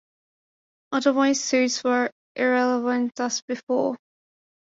Otherwise suits were irrelevant as before.